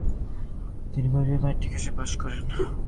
তিনি প্রবেশিকা বা ম্যাট্রিকুলেশন পাশ করেন।